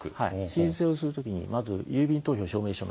申請をする時まず郵便投票証明書の申請。